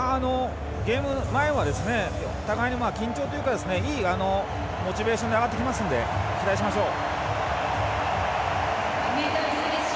ゲーム前は互いに緊張というかいいモチベーションで上がってきますので期待しましょう。